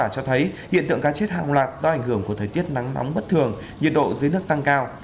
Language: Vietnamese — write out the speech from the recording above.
do ảnh hưởng của thời tiết nắng nóng bất thường nhiệt độ dưới nước tăng cao